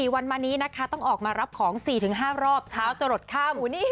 ๑๔วันมานี้นะคะต้องออกมารับของ๔๕รอบเช้าจะหลดข้ำ